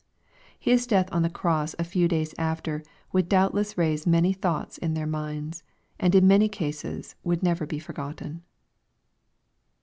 His death on the cross a few days after, would doubtless raise many thoughts in their minds, and in many cases would never be forgotten.